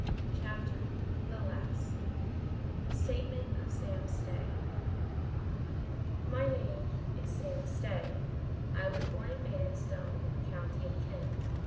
CHAPTER THE LAST THE STATEMENT OF SAM STAY "My name is Sam Stay. I was born at Maidstone in the County of Kent.